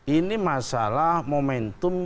ini masalah momentum